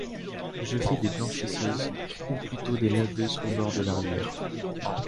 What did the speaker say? Je fais des blanchisseuses ou plutôt des laveuses au bord de la rivière.